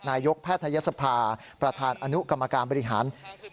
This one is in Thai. นายกแพทยศภาประธานอนุกรรมการบริหาร